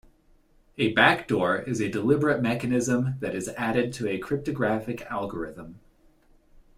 A backdoor is a deliberate mechanism that is added to a cryptographic algorithm.